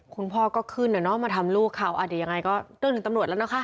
คุณพ่อก็ขึ้นนะเนาะมาทำลูกเขาอ่ะเดี๋ยวยังไงก็เรื่องถึงตำรวจแล้วนะคะ